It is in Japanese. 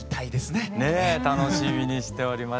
ねえ楽しみにしております。